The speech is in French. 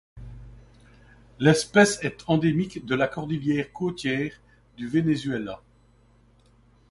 L'espèce est endémique de la cordillère côtière du Venezuela.